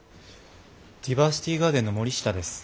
ディバーシティガーデンの森下です。